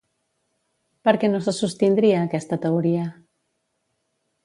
Per què no se sostindria aquesta teoria?